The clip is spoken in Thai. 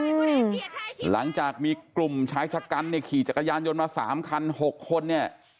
หลังจากมีกลุ่มชายชะกันเนี่ยขี่จักรยานยนต์มาสามคันหกคนเนี่ย